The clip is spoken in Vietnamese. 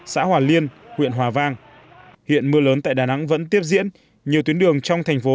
xã hòa liên huyện hòa vang hiện mưa lớn tại đà nẵng vẫn tiếp diễn nhiều tuyến đường trong thành phố